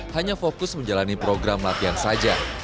hanya fokus menjalani program latihan saja